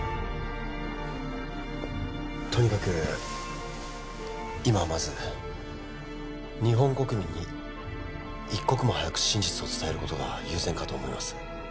とにかく今はまず日本国民に一刻も早く真実を伝えることが優先かと思います